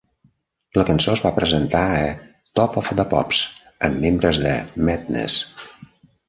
La cançó es va presentar a "Top of the Pops" amb membres de Madness.